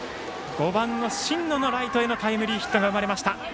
５番の新野のライトへのタイムリーヒットが生まれました。